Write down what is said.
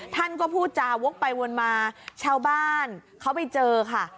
ท่านก็พูดจาวกไปวนมาชาวบ้านเขาไปเจอค่ะ